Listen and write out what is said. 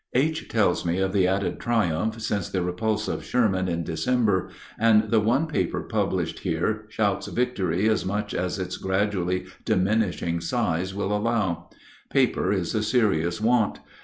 H. tells me of the added triumph since the repulse of Sherman in December, and the one paper published here shouts victory as much as its gradually diminishing size will allow. Paper is a serious want.